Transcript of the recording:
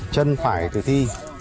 chân phải tử thi